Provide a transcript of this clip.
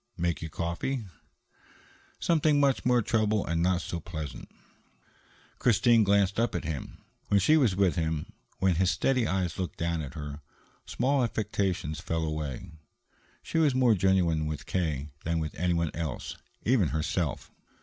"Make you coffee?" "Something much more trouble and not so pleasant." Christine glanced up at him. When she was with him, when his steady eyes looked down at her, small affectations fell away. She was more genuine with K. than with anyone else, even herself.